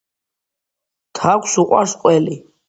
თაგვს უყვარს ყველი